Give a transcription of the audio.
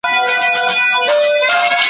په اوبو کي خپلو پښو ته په کتلو ,